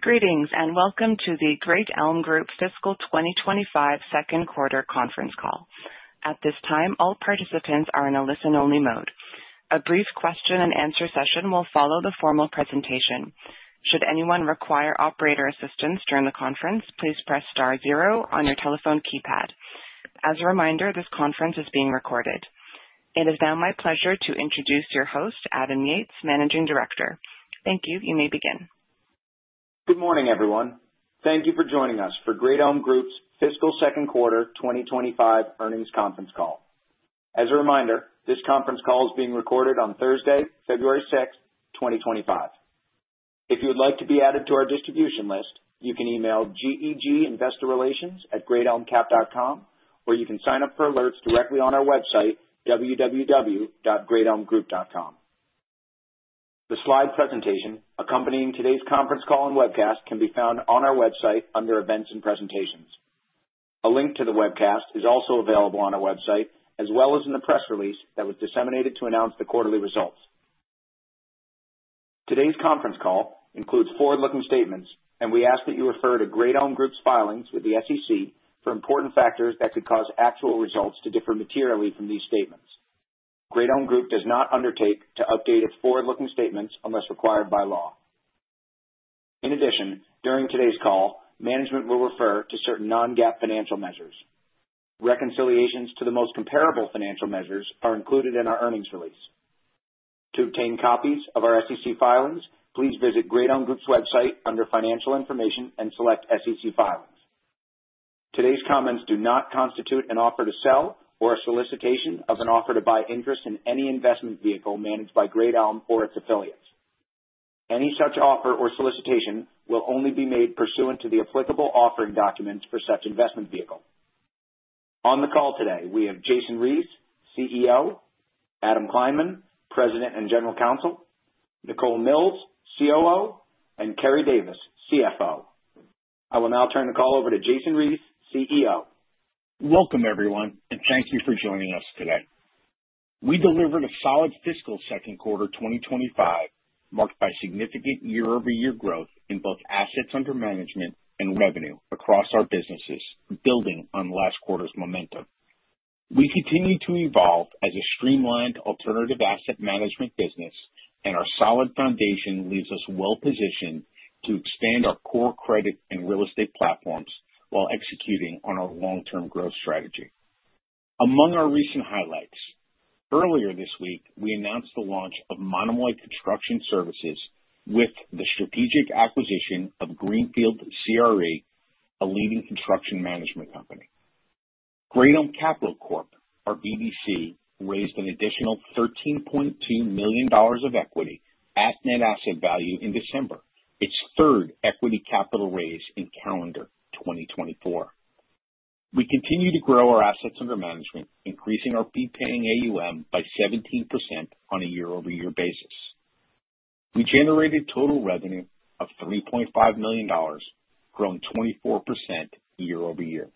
Greetings and welcome to the Great Elm Group Fiscal 2025 second quarter conference call. At this time, all participants are in a listen-only mode. A brief question-and-answer session will follow the formal presentation. Should anyone require operator assistance during the conference, please press star zero on your telephone keypad. As a reminder, this conference is being recorded. It is now my pleasure to introduce your host, Adam Yates, Managing Director. Thank you. You may begin. Good morning, everyone. Thank you for joining us for Great Elm Group's Fiscal Second Quarter 2025 Earnings Conference Call. As a reminder, this conference call is being recorded on Thursday, February 6th, 2025. If you would like to be added to our distribution list, you can email GEG Investor Relations at greatelmcap.com, or you can sign up for alerts directly on our website, www.greatelmgroup.com. The slide presentation accompanying today's conference call and webcast can be found on our website under Events and Presentations. A link to the webcast is also available on our website, as well as in the press release that was disseminated to announce the quarterly results. Today's conference call includes forward-looking statements, and we ask that you refer to Great Elm Group's filings with the SEC for important factors that could cause actual results to differ materially from these statements. Great Elm Group does not undertake to update its forward-looking statements unless required by law. In addition, during today's call, management will refer to certain non-GAAP financial measures. Reconciliations to the most comparable financial measures are included in our earnings release. To obtain copies of our SEC filings, please visit Great Elm Group's website under Financial Information and select SEC Filings. Today's comments do not constitute an offer to sell or a solicitation of an offer to buy interest in any investment vehicle managed by Great Elm or its affiliates. Any such offer or solicitation will only be made pursuant to the applicable offering documents for such investment vehicle. On the call today, we have Jason Reese, CEO, Adam Kleinman, President and General Counsel, Nichole Milz, COO, and Keri Davis, CFO. I will now turn the call over to Jason Reese, CEO. Welcome, everyone, and thank you for joining us today. We delivered a solid fiscal second quarter 2025, marked by significant year-over-year growth in both assets under management and revenue across our businesses, building on last quarter's momentum. We continue to evolve as a streamlined alternative asset management business, and our solid foundation leaves us well positioned to expand our core credit and real estate platforms while executing on our long-term growth strategy. Among our recent highlights, earlier this week, we announced the launch of Monomoy Construction Services with the strategic acquisition of Greenfield CRE, a leading construction management company. Great Elm Capital Corp, our BDC, raised an additional $13.2 million of equity at net asset value in December, its third equity capital raise in calendar 2024. We continue to grow our assets under management, increasing our fee-paying AUM by 17% on a year-over-year basis. We generated total revenue of $3.5 million, growing 24% year-over-year.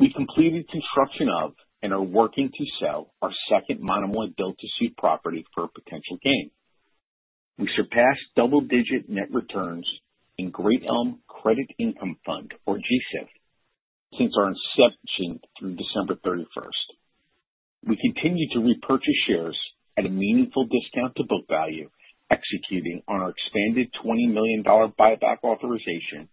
We completed construction of and are working to sell our second Monomoy build-to-suit property for a potential gain. We surpassed double-digit net returns in Great Elm Credit Income Fund, or GSIF, since our inception through December 31st. We continue to repurchase shares at a meaningful discount to book value, executing on our expanded $20 million buyback authorization,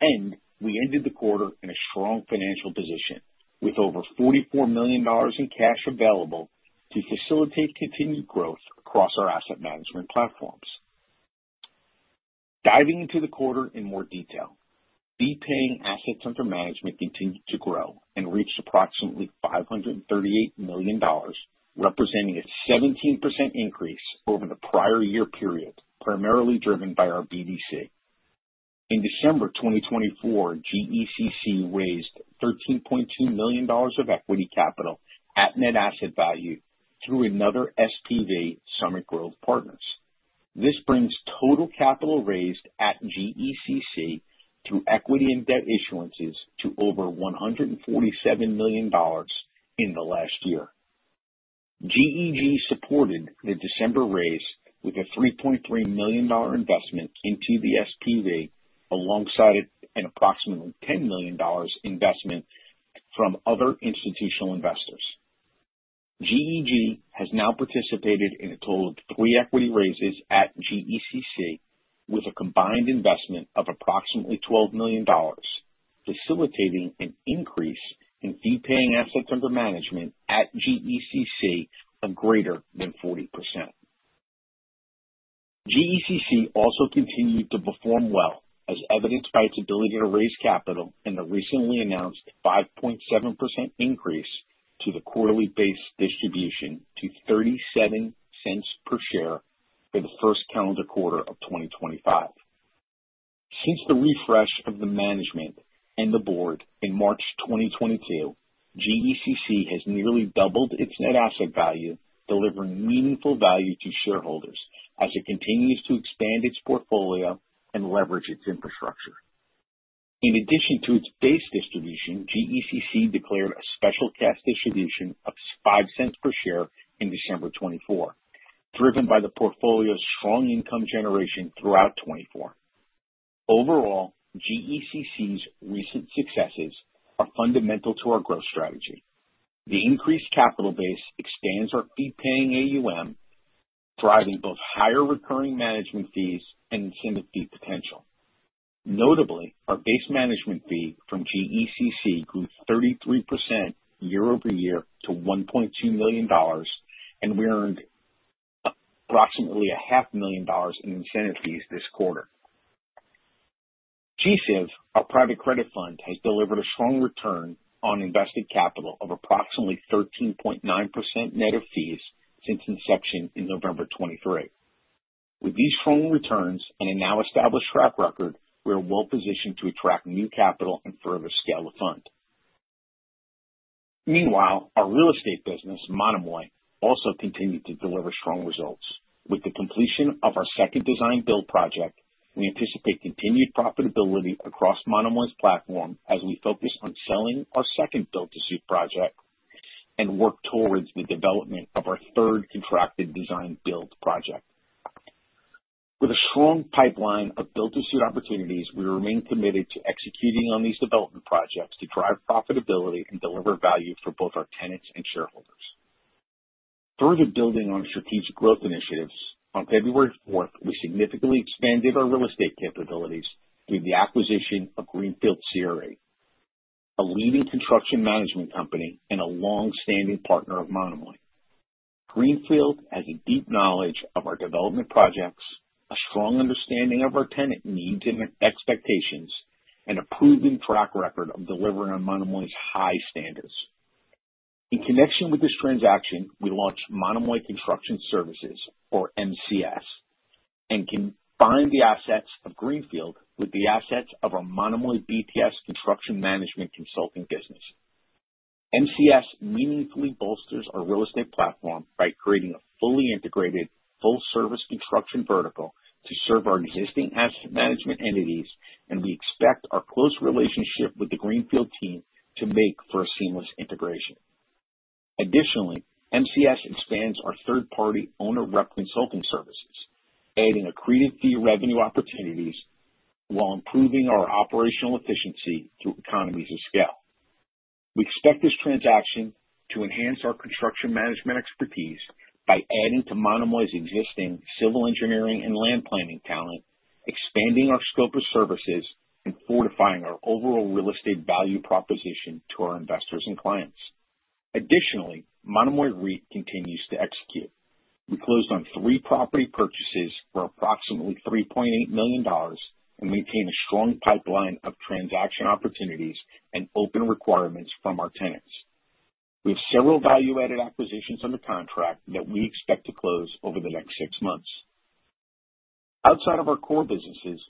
and we ended the quarter in a strong financial position with over $44 million in cash available to facilitate continued growth across our asset management platforms. Diving into the quarter in more detail, fee-paying assets under management continued to grow and reached approximately $538 million, representing a 17% increase over the prior year period, primarily driven by our BDC. In December 2024, GECC raised $13.2 million of equity capital at net asset value through another SPV, Summit Growth Partners. This brings total capital raised at GECC through equity and debt issuances to over $147 million in the last year. GEG supported the December raise with a $3.3 million investment into the SPV, alongside an approximately $10 million investment from other institutional investors. GEG has now participated in a total of three equity raises at GECC, with a combined investment of approximately $12 million, facilitating an increase in fee-paying assets under management at GECC of greater than 40%. GECC also continued to perform well, as evidenced by its ability to raise capital in the recently announced 5.7% increase to the quarterly base distribution to $0.37 per share for the first calendar quarter of 2025. Since the refresh of the management and the board in March 2022, GECC has nearly doubled its net asset value, delivering meaningful value to shareholders as it continues to expand its portfolio and leverage its infrastructure. In addition to its base distribution, GECC declared a special cash distribution of $0.05 per share in December 2024, driven by the portfolio's strong income generation throughout 2024. Overall, GECC's recent successes are fundamental to our growth strategy. The increased capital base expands our fee-paying AUM, driving both higher recurring management fees and incentive fee potential. Notably, our base management fee from GECC grew 33% year-over-year to $1.2 million, and we earned approximately $0.5 million in incentive fees this quarter. GSIF, our private credit fund, has delivered a strong return on invested capital of approximately 13.9% net of fees since inception in November 2023. With these strong returns and a now-established track record, we are well positioned to attract new capital and further scale the fund. Meanwhile, our real estate business, Monomoy, also continued to deliver strong results. With the completion of our second design-build project, we anticipate continued profitability across Monomoy's platform as we focus on selling our second build-to-suit project and work towards the development of our third contracted design-build project. With a strong pipeline of build-to-suit opportunities, we remain committed to executing on these development projects to drive profitability and deliver value for both our tenants and shareholders. Further building on strategic growth initiatives, on February 4, we significantly expanded our real estate capabilities through the acquisition of Greenfield CRE, a leading construction management company and a long-standing partner of Monomoy. Greenfield has a deep knowledge of our development projects, a strong understanding of our tenant needs and expectations, and a proven track record of delivering on Monomoy's high standards. In connection with this transaction, we launched Monomoy Construction Services, or MCS, and combined the assets of Greenfield CRE with the assets of our Monomoy BTS Construction Management business. MCS meaningfully bolsters our real estate platform by creating a fully integrated, full-service construction vertical to serve our existing asset management entities, and we expect our close relationship with the Greenfield team to make for a seamless integration. Additionally, MCS expands our third-party owner-represented consulting services, adding accretive fee revenue opportunities while improving our operational efficiency through economies of scale. We expect this transaction to enhance our construction management expertise by adding to Monomoy's existing civil engineering and land planning talent, expanding our scope of services, and fortifying our overall real estate value proposition to our investors and clients. Additionally, Monomoy REIT continues to execute. We closed on three property purchases for approximately $3.8 million and maintain a strong pipeline of transaction opportunities and open requirements from our tenants. We have several value-added acquisitions under contract that we expect to close over the next six months. Outside of our core businesses,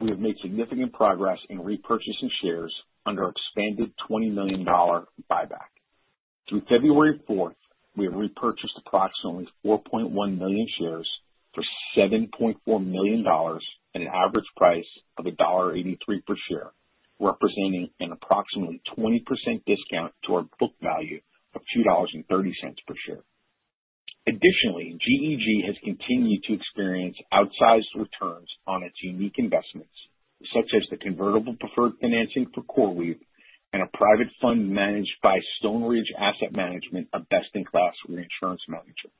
we have made significant progress in repurchasing shares under our expanded $20 million buyback. Through February 4th, we have repurchased approximately 4.1 million shares for $7.4 million at an average price of $1.83 per share, representing an approximately 20% discount to our book value of $2.30 per share. Additionally, GEG has continued to experience outsized returns on its unique investments, such as the convertible preferred financing for CoreWeave and a private fund managed by Stone Ridge Asset Management, a best-in-class reinsurance manager.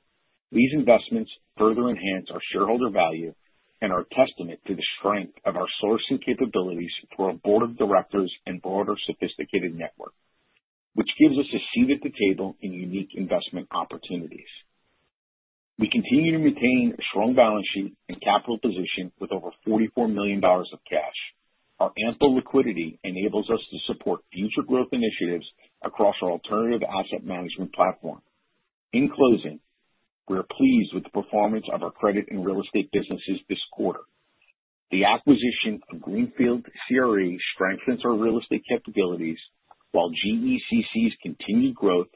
These investments further enhance our shareholder value and are a testament to the strength of our sourcing capabilities for our board of directors and broader sophisticated network, which gives us a seat at the table in unique investment opportunities. We continue to maintain a strong balance sheet and capital position with over $44 million of cash. Our ample liquidity enables us to support future growth initiatives across our alternative asset management platform. In closing, we are pleased with the performance of our credit and real estate businesses this quarter. The acquisition of Greenfield CRE strengthens our real estate capabilities, while GECC's continued growth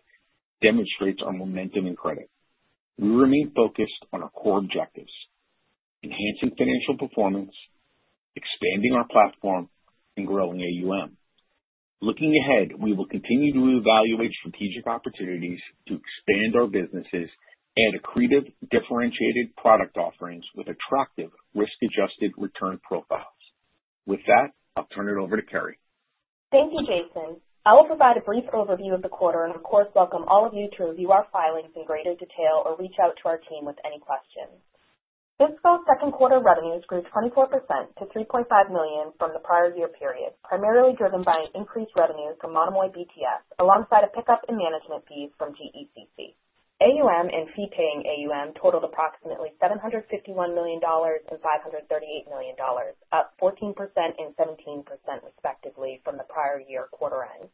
demonstrates our momentum in credit. We remain focused on our core objectives: enhancing financial performance, expanding our platform, and growing AUM. Looking ahead, we will continue to evaluate strategic opportunities to expand our businesses and accretive differentiated product offerings with attractive risk-adjusted return profiles. With that, I'll turn it over to Keri. Thank you, Jason. I will provide a brief overview of the quarter and, of course, welcome all of you to review our filings in greater detail or reach out to our team with any questions. Fiscal second quarter revenues grew 24% to $3.5 million from the prior year period, primarily driven by increased revenue from Monomoy BTS alongside a pickup in management fees from GECC. AUM and fee-paying AUM totaled approximately $751 million and $538 million, up 14% and 17% respectively from the prior year quarter end.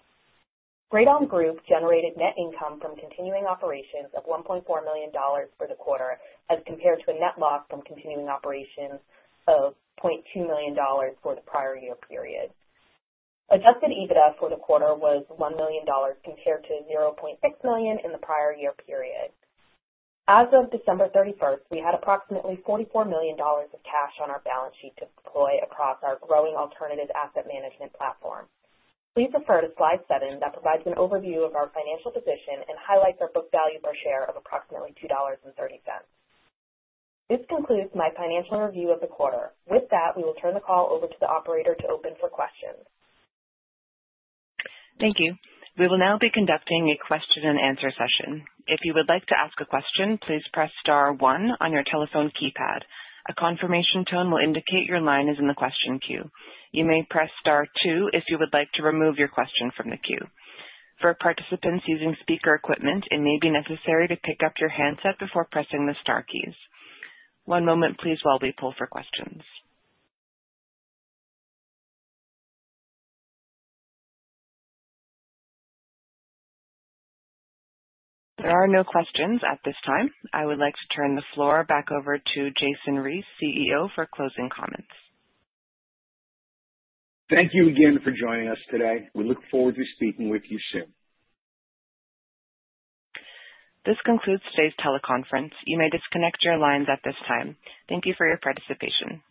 Great Elm Group generated net income from continuing operations of $1.4 million for the quarter, as compared to a net loss from continuing operations of $0.2 million for the prior year period. Adjusted EBITDA for the quarter was $1 million compared to $0.6 million in the prior year period. As of December 31, we had approximately $44 million of cash on our balance sheet to deploy across our growing alternative asset management platform. Please refer to slide 7 that provides an overview of our financial position and highlights our book value per share of approximately $2.30. This concludes my financial review of the quarter. With that, we will turn the call over to the operator to open for questions. Thank you. We will now be conducting a question-and-answer session. If you would like to ask a question, please press star one on your telephone keypad. A confirmation tone will indicate your line is in the question queue. You may press star two if you would like to remove your question from the queue. For participants using speaker equipment, it may be necessary to pick up your handset before pressing the star keys. One moment, please, while we pull for questions. There are no questions at this time. I would like to turn the floor back over to Jason Reese, CEO, for closing comments. Thank you again for joining us today. We look forward to speaking with you soon. This concludes today's teleconference. You may disconnect your lines at this time. Thank you for your participation.